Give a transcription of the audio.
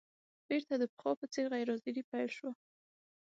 بېرته د پخوا په څېر غیر حاضري پیل شوه.